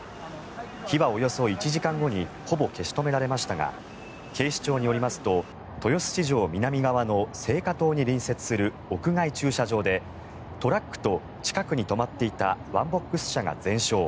火はおよそ１時間後にほぼ消し止められましたが警視庁によりますと豊洲市場南側の青果棟に隣接する屋外駐車場でトラックと近くに止まっていたワンボックス車が全焼。